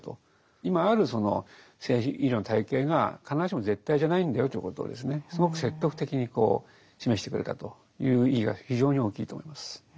今あるその精神医療の体系が必ずしも絶対じゃないんだよということをすごく説得的に示してくれたという意義が非常に大きいと思います。